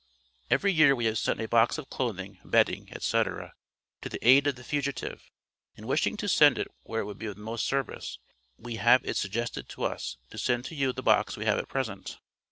Every year we have sent a box of clothing, bedding, etc., to the aid of the fugitive, and wishing to send it where it would be of the most service, we have it suggested to us, to send to you the box we have at present.